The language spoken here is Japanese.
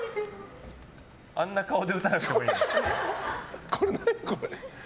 あんな顔で打たなくてもいいのに。